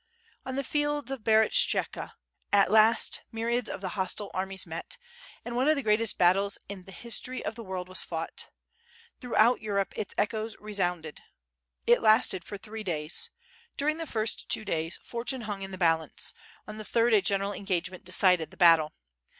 On the fields of Berestechka at lai?t myriads of the hostile armies met, and one of the greatest battles in the history of 8i6 WITH FIRE AND SWORD. the world was fought. Throughout Europe its echoes re sounded. It lasted for three days. During the first two days for tune hung in the balance, on the third a general engagement decided the battle.